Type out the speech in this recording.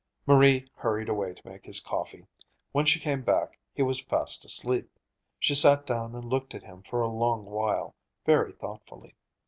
Marie hurried away to make his coffee. When she came back, he was fast asleep. She sat down and looked at him for a long while, very thoughtfully.